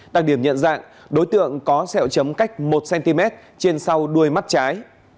đặc điểm nhận dạng đối tượng có xẹo chấm cách một cm trên sau đuôi mắt trái